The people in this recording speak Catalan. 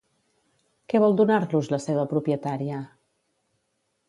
Què vol donar-los la seva propietària?